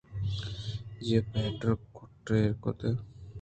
جیوپیٹر ءِ کُٹءَایر کُت